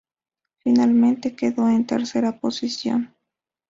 Finalmente, quedó en tercera posición.